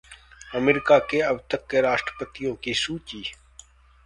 America के अबतक के राष्ट्रपतियों के सूची